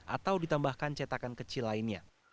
atau ditambahkan cetakan kecil lainnya